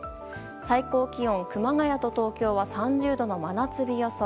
最高気温、熊谷と東京は３０度の真夏日予想。